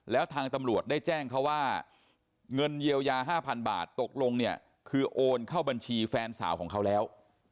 แล้วทางตำรวจได้แจ้งเขาว่าเงินเยียวยา๕๐๐๐บาทตกลงเนี่ยคือโอนเข้าบัญชีแฟนสาวของเขาแล้ว